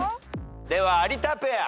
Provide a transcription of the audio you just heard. では有田ペア。